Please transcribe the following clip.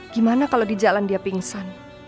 gimana kalau di jalan dia pingsan